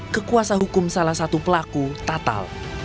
kekuasa hukum salah satu pelaku tatal